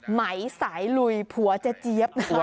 ไหมสายลุยผัวเจ๊เจี๊ยบนะคะ